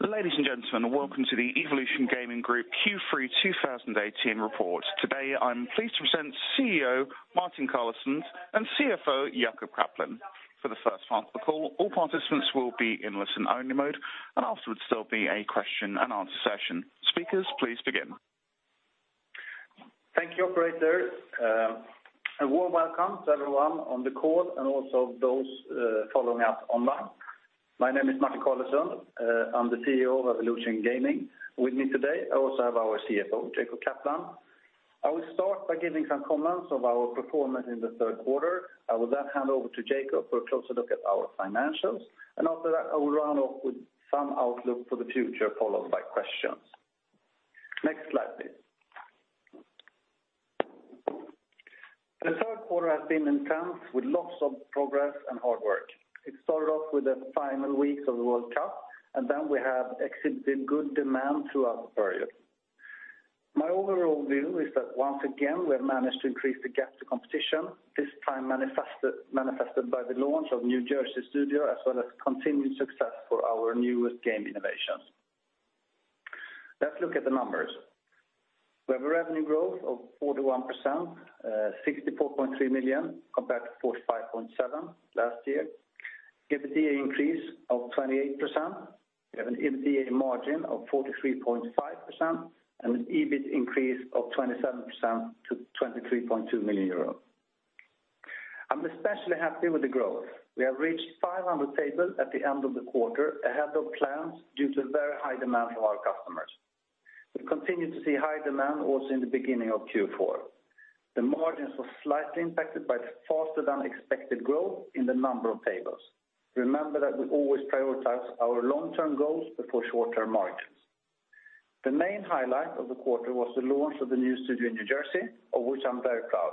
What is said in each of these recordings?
Ladies and gentlemen, welcome to the Evolution Gaming Group Q3 2018 report. Today, I'm pleased to present CEO Martin Carlesund and CFO Jacob Kaplan. For the first half of the call, all participants will be in listen-only mode. Afterwards, there'll be a question-and-answer session. Speakers, please begin. Thank you, operator. A warm welcome to everyone on the call, also those following up online. My name is Martin Carlesund. I'm the CEO of Evolution Gaming. With me today, I also have our CFO, Jacob Kaplan. I will start by giving some comments of our performance in the third quarter. I will hand over to Jacob for a closer look at our financials. After that, I will round off with some outlook for the future, followed by questions. Next slide, please. The third quarter has been intense with lots of progress and hard work. It started off with the final weeks of the World Cup. Then we have exhibited good demand throughout the period. My overall view is that once again, we have managed to increase the gap to competition, this time manifested by the launch of New Jersey studio, as well as continued success for our newest game innovations. Let's look at the numbers. We have a revenue growth of 41%, 64.3 million compared to 45.7 million last year. EBITDA increase of 28%. We have an EBITDA margin of 43.5% and an EBIT increase of 27% to 23.2 million euros. I'm especially happy with the growth. We have reached 500 tables at the end of the quarter, ahead of plans due to the very high demand from our customers. We've continued to see high demand also in the beginning of Q4. The margins were slightly impacted by faster than expected growth in the number of tables. Remember that we always prioritize our long-term goals before short-term margins. The main highlight of the quarter was the launch of the new studio in New Jersey, of which I'm very proud.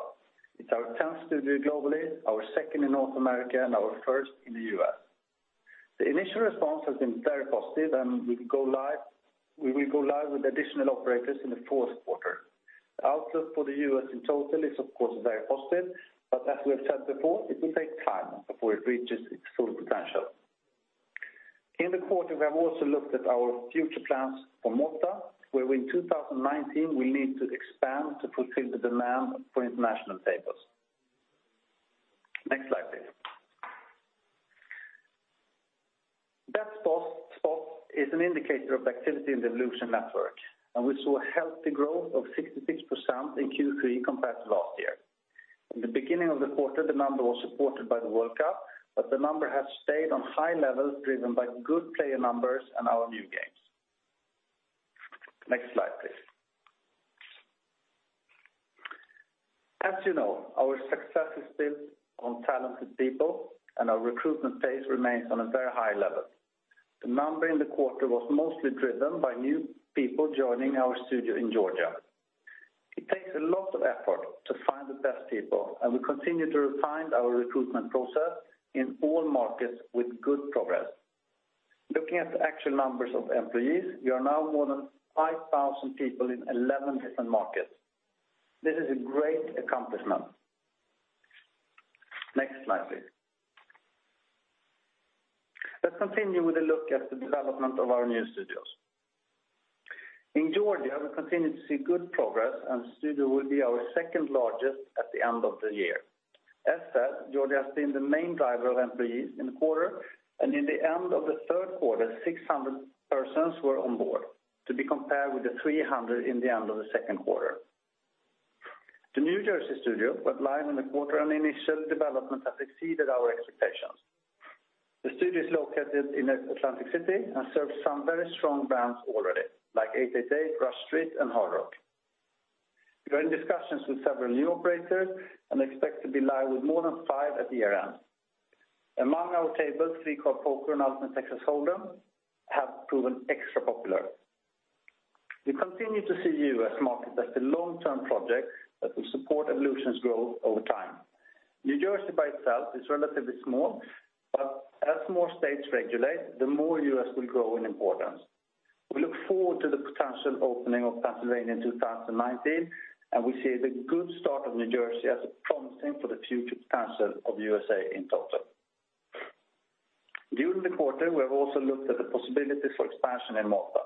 It's our 10th studio globally, our second in North America, our first in the U.S. The initial response has been very positive. We will go live with additional operators in the fourth quarter. The outlook for the U.S. in total is of course very positive, as we have said before, it will take time before it reaches its full potential. In the quarter, we have also looked at our future plans for Malta, where in 2019 we need to expand to fulfill the demand for international tables. Next slide, please. Bet spots is an indicator of activity in the Evolution network. We saw a healthy growth of 66% in Q3 compared to last year. In the beginning of the quarter, the number was supported by the World Cup, the number has stayed on high levels driven by good player numbers and our new games. Next slide, please. As you know, our success is built on talented people and our recruitment phase remains on a very high level. The number in the quarter was mostly driven by new people joining our studio in Georgia. It takes a lot of effort to find the best people, and we continue to refine our recruitment process in all markets with good progress. Looking at the actual numbers of employees, we are now more than 5,000 people in 11 different markets. This is a great accomplishment. Next slide, please. Let's continue with a look at the development of our new studios. In Georgia, we continue to see good progress and studio will be our second largest at the end of the year. As said, Georgia has been the main driver of employees in the quarter, and in the end of the third quarter, 600 persons were on board, to be compared with the 300 in the end of the second quarter. The New Jersey studio went live in the quarter and initial development has exceeded our expectations. The studio is located in Atlantic City and serves some very strong brands already, like 888, Rush Street, and Hard Rock. We are in discussions with several new operators and expect to be live with more than 5 at year-end. Among our tables, Three Card Poker and Ultimate Texas Hold'em have proven extra popular. We continue to see U.S. market as the long-term project that will support Evolution's growth over time. New Jersey by itself is relatively small, as more states regulate, the more U.S. will grow in importance. We look forward to the potential opening of Pennsylvania in 2019, and we see the good start of New Jersey as promising for the future potential of U.S.A. in total. During the quarter, we have also looked at the possibilities for expansion in Malta.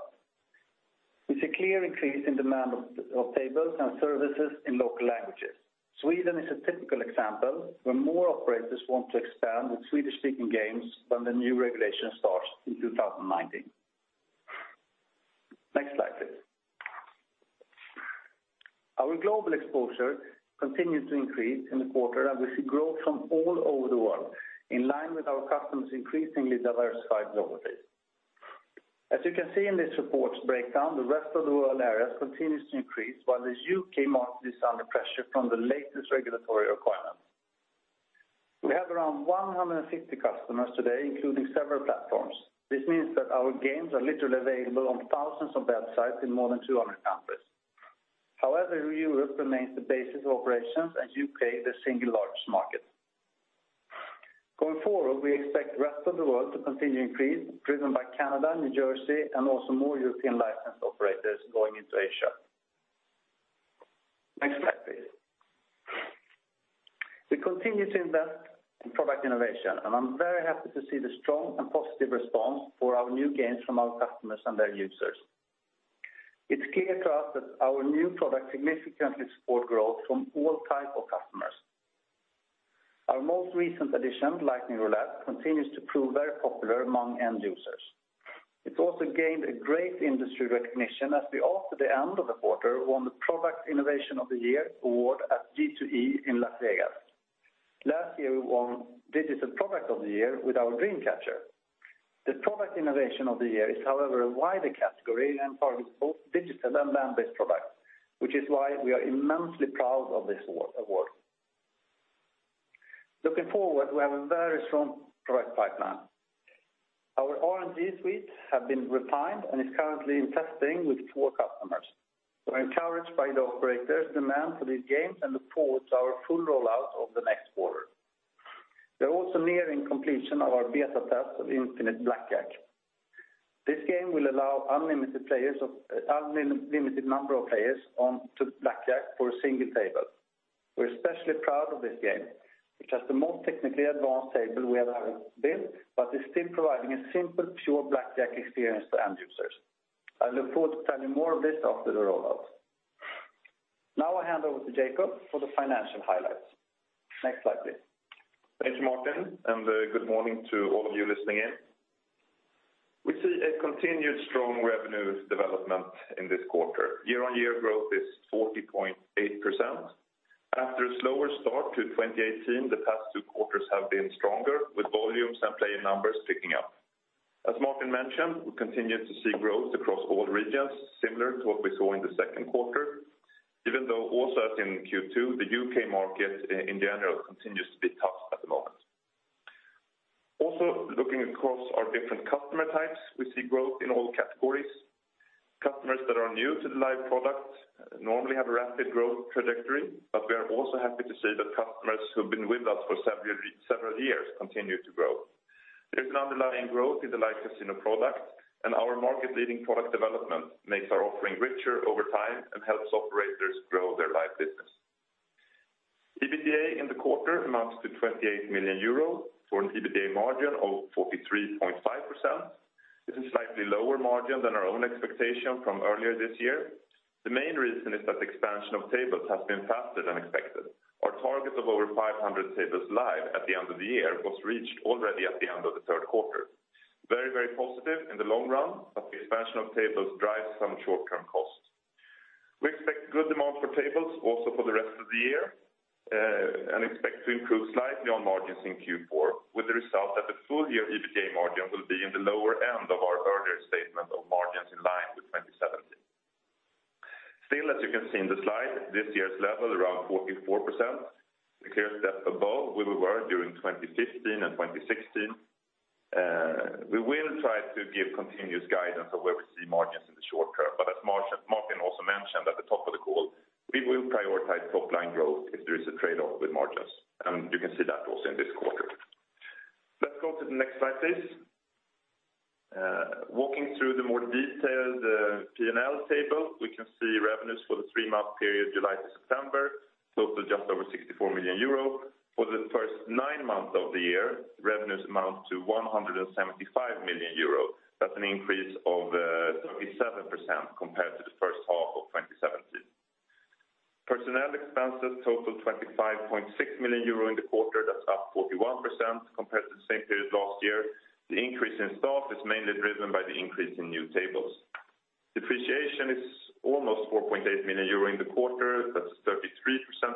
We see clear increase in demand of tables and services in local languages. Sweden is a typical example where more operators want to expand with Swedish-speaking games when the new regulation starts in 2019. Next slide, please. Our global exposure continued to increase in the quarter, we see growth from all over the world, in line with our customers' increasingly diversified geography. As you can see in this report's breakdown, the rest of the world areas continues to increase while the U.K. market is under pressure from the latest regulatory requirement. We have around 150 customers today, including several platforms. This means that our games are literally available on thousands of websites in more than 200 countries. Europe remains the basis of operations and U.K. the single largest market. We expect rest of the world to continue increase driven by Canada, New Jersey, and also more European licensed operators going into Asia. Next slide, please. We continue to invest in product innovation, I'm very happy to see the strong and positive response for our new games from our customers and their users. It's clear to us that our new products significantly support growth from all types of customers. Our most recent addition, Lightning Roulette, continues to prove very popular among end users. It's also gained a great industry recognition as we, after the end of the quarter, won the Product Innovation of the Year award at G2E in Las Vegas. Last year, we won Digital Product of the Year with our Dream Catcher. The Product Innovation of the Year is, however, a wider category and targets both digital and land-based products, which is why we are immensely proud of this award. Looking forward, we have a very strong product pipeline. Our RNG suite has been refined and is currently in testing with four customers. We're encouraged by the operators' demand for these games and look forward to our full rollout over the next quarter. We are also nearing completion of our beta test of Infinite Blackjack. This game will allow unlimited number of players onto blackjack for a single table. We're especially proud of this game, which has the most technically advanced table we have ever built, but is still providing a simple, pure blackjack experience to end users. I look forward to telling more of this after the rollout. Now I hand over to Jacob for the financial highlights. Next slide, please. Thank you, Martin, good morning to all of you listening in. We see a continued strong revenue development in this quarter. Year-on-year growth is 40.8%. After a slower start to 2018, the past two quarters have been stronger, with volumes and player numbers picking up. As Martin mentioned, we continue to see growth across all regions, similar to what we saw in the second quarter, even though also as in Q2, the U.K. market in general continues to be tough at the moment. Looking across our different customer types, we see growth in all categories. Customers that are new to the live product normally have a rapid growth trajectory, but we are also happy to see that customers who've been with us for several years continue to grow. There's an underlying growth in the live casino product, Our market-leading product development makes our offering richer over time and helps operators grow their live business. EBITDA in the quarter amounts to 28 million euro, for an EBITDA margin of 43.5%. This is a slightly lower margin than our own expectation from earlier this year. The main reason is that the expansion of tables has been faster than expected. Our target of over 500 tables live at the end of the year was reached already at the end of the third quarter. Very positive in the long run, The expansion of tables drives some short-term costs. We expect good demand for tables also for the rest of the year, and expect to improve slightly on margins in Q4, with the result that the full-year EBITDA margin will be in the lower end of our earlier statement of margins in line with 2017. Still, as you can see in the slide, this year's level, around 44%, is a clear step above where we were during 2015 and 2016. We will try to give continuous guidance of where we see margins in the short term. As Martin also mentioned at the top of the call, we will prioritize top-line growth if there is a trade-off with margins, and you can see that also in this quarter. Let's go to the next slide, please. Walking through the more detailed P&L table, we can see revenues for the three-month period July to September, total just over 64 million euro. For the first nine months of the year, revenues amount to 175 million euro. That's an increase of 37% compared to the first half of 2017. Personnel expenses total 25.6 million euro in the quarter. That's up 41% compared to the same period last year. The increase in staff is mainly driven by the increase in new tables. Depreciation is almost 4.8 million euro in the quarter. That's 33%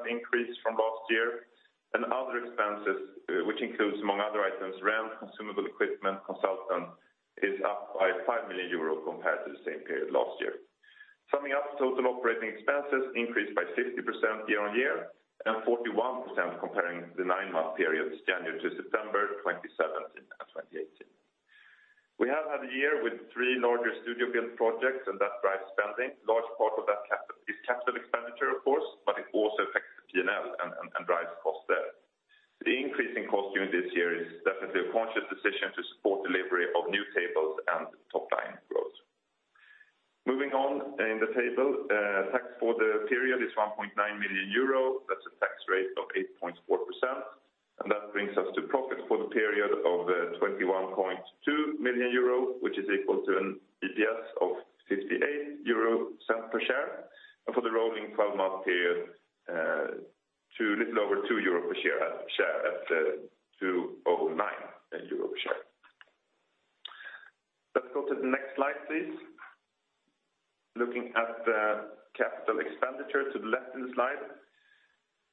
increase from last year. Other expenses, which includes, among other items, rent, consumable equipment, consultant, is up by 5 million euros compared to the same period last year. Summing up, total operating expenses increased by 50% year-on-year and 41% comparing the nine-month periods January to September 2017 and 2018. We have had a year with three larger studio build projects. That drives spending. Large part of that is capital expenditure, of course, but it also affects the P&L and drives costs there. The increase in cost during this year is definitely a conscious decision to support delivery of new tables and top-line growth. Moving on in the table, tax for the period is 1.9 million euro. That's a tax rate of 8.4%. That brings us to profit for the period of 21.2 million euro, which is equal to an EPS of 0.58 per share. For the rolling 12-month period, little over 2 euro per share at 2.09 euro a share. Let's go to the next slide, please. Looking at the capital expenditure to the left in the slide.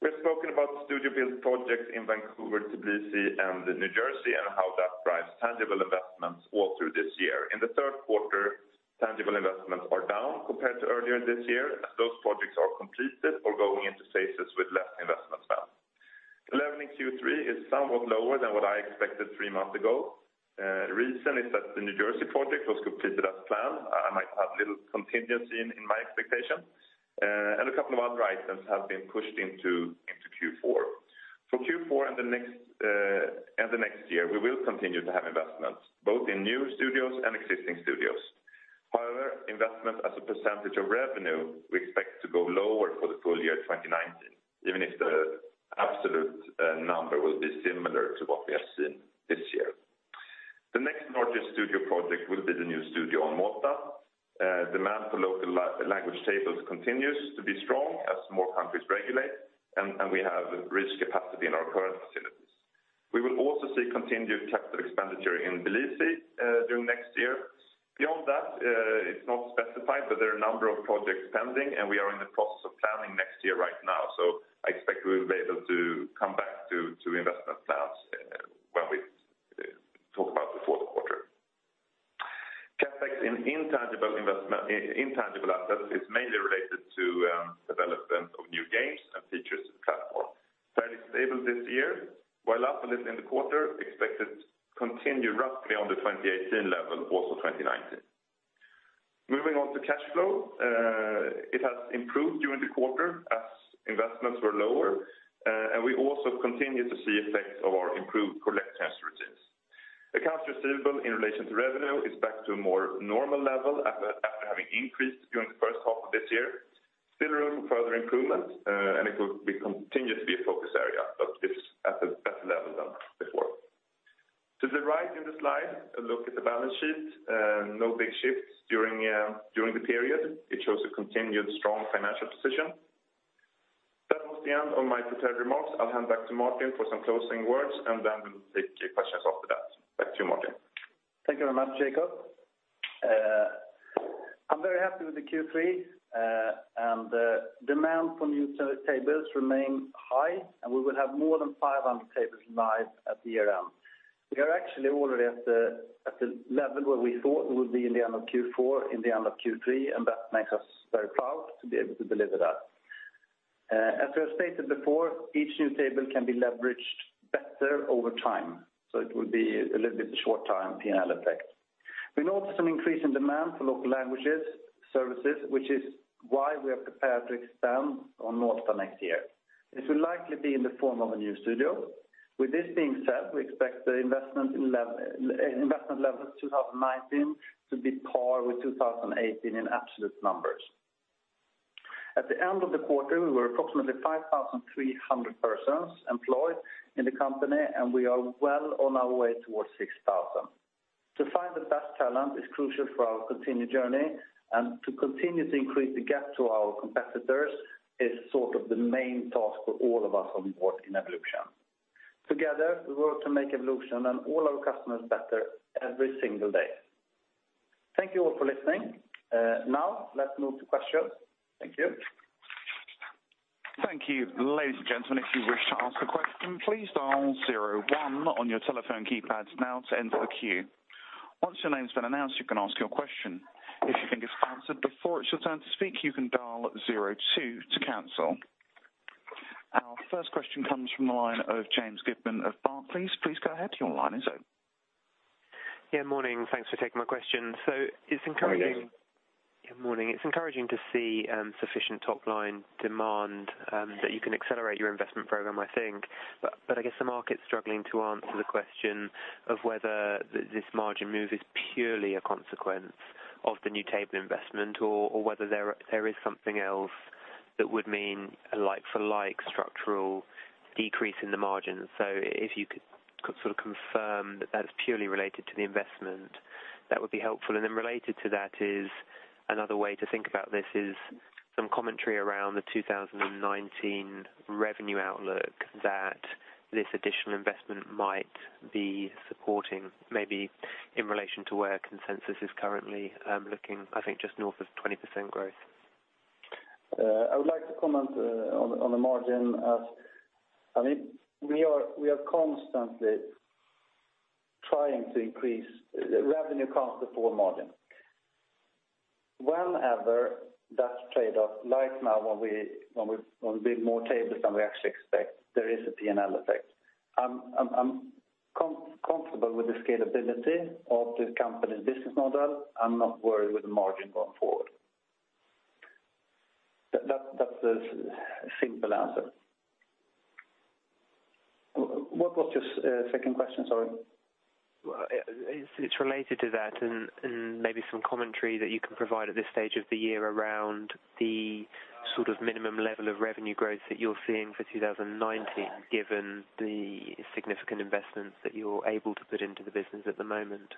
We've spoken about studio build projects in Vancouver, Tbilisi, and New Jersey and how that drives tangible investments all through this year. In the third quarter, tangible investments are down compared to earlier this year as those projects are completed or going into phases with less investments now. Level in Q3 is somewhat lower than what I expected three months ago. Reason is that the New Jersey project was completed as planned. I might have had little contingency in my expectation. A couple of other items have been pushed into Q4. For Q4 and the next year, we will continue to have investments both in new studios and existing studios. However, investments as a percentage of revenue, we expect to go lower for the full year 2019, even if the absolute number will be similar to what we have seen this year. The next largest studio project will be the new studio on Malta. Demand for local language tables continues to be strong as more countries regulate, and we have rich capacity in our current facilities. We will also see continued CapEx expenditure in Tbilisi during next year. Beyond that, it's not specified, but there are a number of projects pending. We are in the process of planning next year right now. I expect we will be able to come back to investment plans when we talk about the fourth quarter. CapEx in intangible assets is mainly related to development of new games and features of the platform. Fairly stable this year. While up a little in the quarter, expected to continue roughly on the 2018 level also 2019. Moving on to cash flow. It has improved during the quarter as investments were lower. We also continue to see effects of our improved collections routines. Accounts receivable in relation to revenue is back to a more normal level after having increased during the first half of this year. Still room for further improvement. It will continue to be a focus area, but it's at a better level than before. To the right in the slide, a look at the balance sheet. No big shifts during the period. It shows a continued strong financial position. That was the end of my prepared remarks. I'll hand back to Martin for some closing words, and then we'll take questions after that. Back to you, Martin. Thank you very much, Jacob. I'm very happy with the Q3. Demand for new tables remain high, and we will have more than 500 tables live at the year-end. We are actually already at the level where we thought we would be in the end of Q4, in the end of Q3, and that makes us very proud to be able to deliver that. As we have stated before, each new table can be leveraged better over time. It will be a little bit short-term P&L effect. We note some increase in demand for local languages services, which is why we are prepared to expand on Malta next year. This will likely be in the form of a new studio. With this being said, we expect the investment levels 2019 to be par with 2018 in absolute numbers. At the end of the quarter, we were approximately 5,300 persons employed in the company. We are well on our way towards 6,000. To find the best talent is crucial for our continued journey. To continue to increase the gap to our competitors is sort of the main task for all of us on board in Evolution. Together, we work to make Evolution and all our customers better every single day. Thank you all for listening. Let's move to questions. Thank you. Thank you. Ladies and gentlemen, if you wish to ask a question, please dial 01 on your telephone keypads now to enter the queue. Once your name's been announced, you can ask your question. If you think it's answered before it's your turn to speak, you can dial 02 to cancel. Our first question comes from the line of James Goodman of Barclays. Please go ahead. Your line is open. Yeah, morning. Thanks for taking my question. Morning, James. Yeah, morning. It's encouraging to see sufficient top-line demand that you can accelerate your investment program, I think. I guess the market's struggling to answer the question of whether this margin move is purely a consequence of the new table investment or whether there is something else that would mean a like-for-like structural decrease in the margin. If you could sort of confirm that's purely related to the investment, that would be helpful. Related to that is another way to think about this is some commentary around the 2019 revenue outlook that this additional investment might be supporting, maybe in relation to where consensus is currently looking, I think just north of 20% growth. I would like to comment on the margin. We are constantly trying to increase revenue accounts before margin. Whenever that trade-off, like now when we build more tables than we actually expect, there is a P&L effect. I'm comfortable with the scalability of the company's business model. I'm not worried with the margin going forward. That's the simple answer. What was your second question? Sorry. It's related to that and maybe some commentary that you can provide at this stage of the year around the sort of minimum level of revenue growth that you're seeing for 2019, given the significant investments that you're able to put into the business at the moment.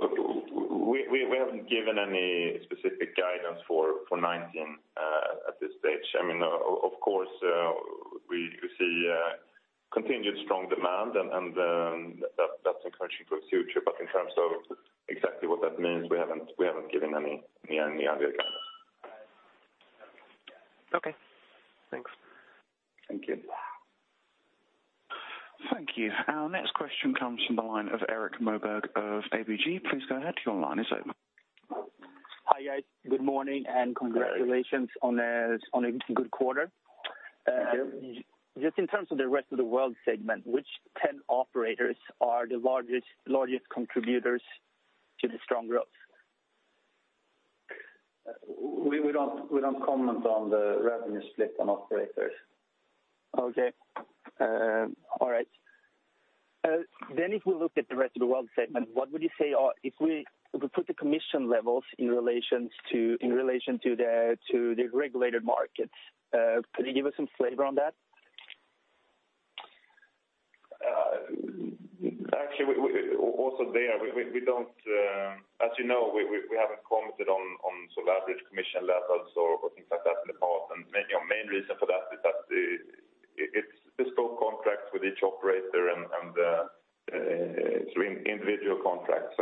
We haven't given any specific guidance for 2019 at this stage. Of course, we see continued strong demand, and that's encouraging for the future. In terms of exactly what that means, we haven't given any other guidance. Okay. Thanks. Thank you. Thank you. Our next question comes from the line of Erik Moberg of ABG. Please go ahead. Your line is open. Hi, guys. Good morning, and congratulations on a good quarter. Just in terms of the rest of the world segment, which 10 operators are the largest contributors to the strong growth? We don't comment on the revenue split on operators. Okay. All right. If we look at the Rest of the World Segment, what would you say are, if we put the commission levels in relation to the regulated markets, could you give us some flavor on that? Actually, also there, as you know, we haven't commented on average commission levels or things like that in the past. Main reason for that is that it's bespoke contracts with each operator, and it's individual contracts.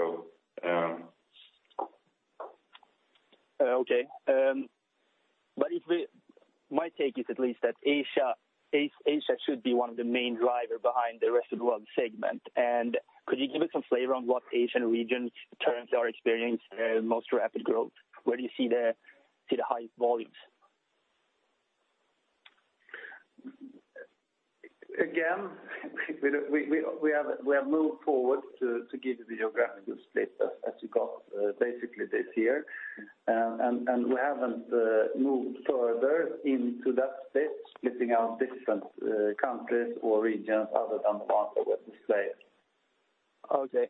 Okay. My take is at least that Asia should be one of the main driver behind the Rest of the World Segment. Could you give us some flavor on what Asian regions currently are experiencing most rapid growth? Where do you see the highest volumes? Again, we have moved forward to give the geographical split as you got basically this year. We haven't moved further into that split, splitting out different countries or regions other than what we say. Okay.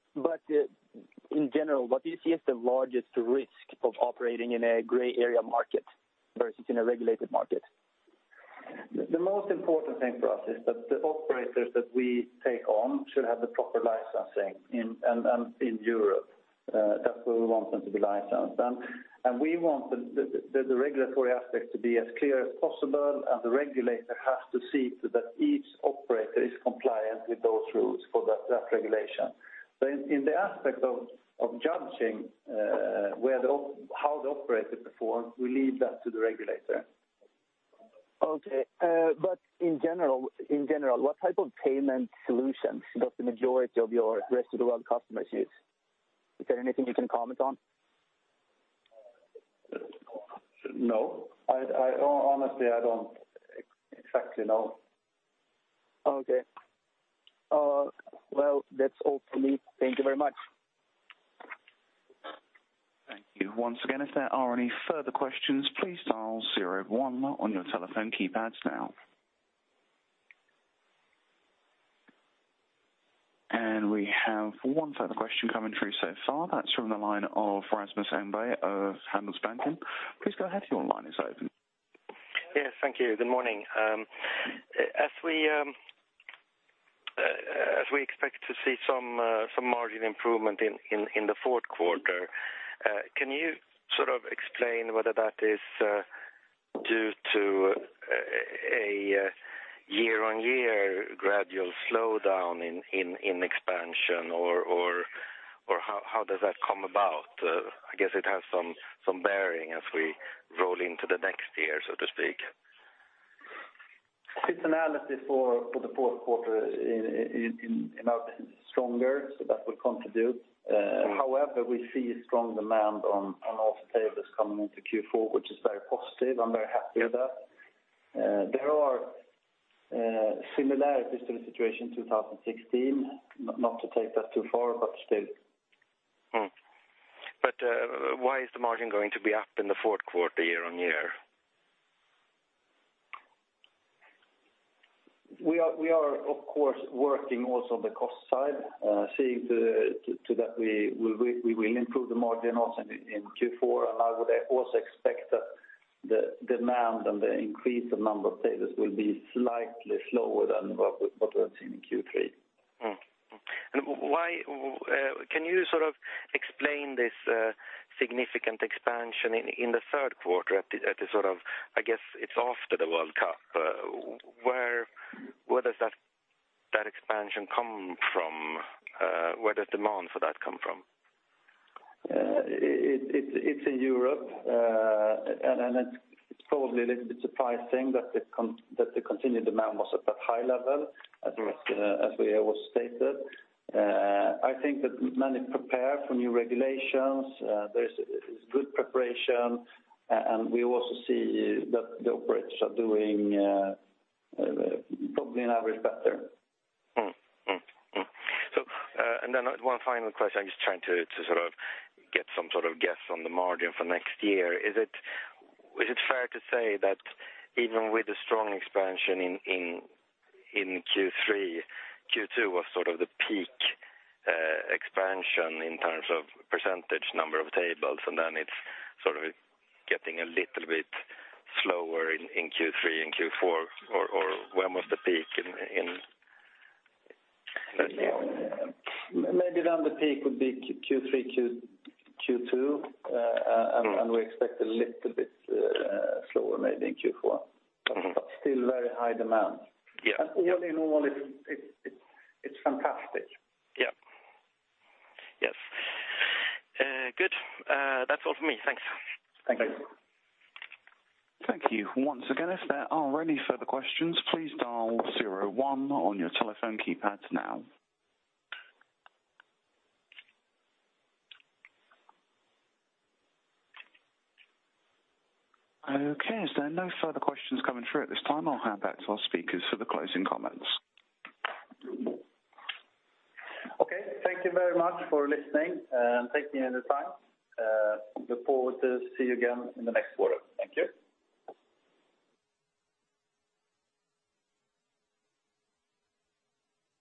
In general, what do you see as the largest risk of operating in a gray area market versus in a regulated market? The most important thing for us is that the operators that we take on should have the proper licensing in Europe. That's where we want them to be licensed. We want the regulatory aspect to be as clear as possible, and the regulator has to see to that each operator is compliant with those rules for that regulation. In the aspect of judging how the operator performs, we leave that to the regulator. Okay. In general, what type of payment solutions does the majority of your rest of the world customers use? Is there anything you can comment on? No. Honestly, I don't exactly know. Okay. Well, that's all for me. Thank you very much. Thank you. Once again, if there are any further questions, please dial 01 on your telephone keypads now. We have one further question coming through so far. That's from the line of Rasmus Engberg of Handelsbanken. Please go ahead, your line is open. Yes, thank you. Good morning. As we expect to see some margin improvement in the fourth quarter, can you sort of explain whether that is due to a year-over-year gradual slowdown in expansion, or how does that come about? I guess it has some bearing as we roll into the next year, so to speak. Seasonality for the fourth quarter is stronger, so that will contribute. However, we see strong demand on all tables coming into Q4, which is very positive. I'm very happy with that. There are similarities to the situation 2016. Not to take that too far, but still. Why is the margin going to be up in the fourth quarter year-over-year? We are of course working also on the cost side, seeing to that we will improve the margin also in Q4. I would also expect that the demand and the increase of number of tables will be slightly slower than what we have seen in Q3. Can you explain this significant expansion in the third quarter at the sort of, I guess it's after the World Cup? Where does that expansion come from? Where does demand for that come from? It's in Europe, and it's probably a little bit surprising that the continued demand was at that high level, as we also stated. I think that many prepare for new regulations. There is good preparation. We also see that the operators are doing probably on average better. One final question, I'm just trying to get some sort of guess on the margin for next year. Is it fair to say that even with the strong expansion in Q3, Q2 was sort of the peak expansion in terms of percentage number of tables, and then it's sort of getting a little bit slower in Q3 and Q4, or where was the peak? Maybe the peak would be Q3, Q2, and we expect a little bit slower maybe in Q4. Still very high demand. Yeah. Yearly normal it's fantastic. Yeah. Yes. Good. That's all from me. Thanks. Thank you. Thank you. Once again, if there are any further questions, please dial 01 on your telephone keypads now. Okay, as there are no further questions coming through at this time, I'll hand back to our speakers for the closing comments. Okay, thank you very much for listening and taking the time. Look forward to see you again in the next quarter. Thank you.